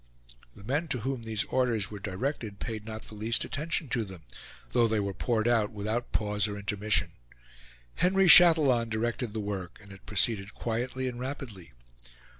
The men to whom these orders were directed paid not the least attention to them, though they were poured out without pause or intermission. Henry Chatillon directed the work, and it proceeded quietly and rapidly.